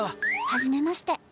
はじめまして！